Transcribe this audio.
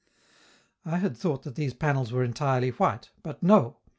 I had thought that these panels were entirely white; but no!